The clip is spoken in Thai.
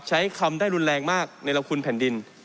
ใช้คำได้รุนแรงมากในละคุณแผ่นดิน